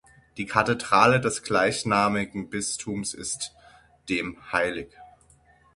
Die Kathedrale des gleichnamigen Bistums ist dem hl.